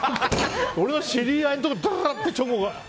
俺の知り合いのところにドロロってチョコが。